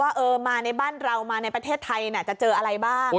ว่ามาในบ้านเรามาในประเทศไทยจะเจออะไรบ้าง